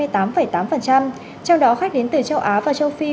trong đó khách đến từ châu á và châu phi